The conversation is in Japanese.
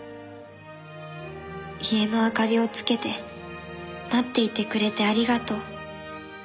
「家の灯りを点けて待っていてくれてありがとう」